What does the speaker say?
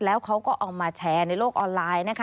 แล้วเขาก็เอามาแชร์ในโลกออนไลน์นะคะ